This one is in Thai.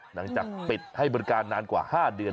หลังจากปิดให้บริการนานกว่า๕เดือน